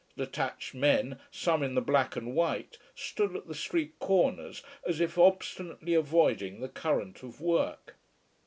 Detached men, some in the black and white, stood at the street corners, as if obstinately avoiding the current of work.